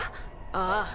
ああ。